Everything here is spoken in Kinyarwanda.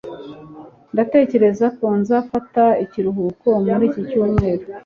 ndatekereza ko nzafata ikiruhuko muri iki cyumweru